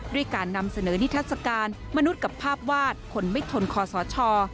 การนำเสนอนิทัศกาลมนุษย์กับภาพวาดคนไม่ทนคอสช